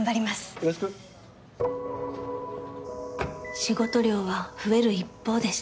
よろしく仕事量は増える一方でした。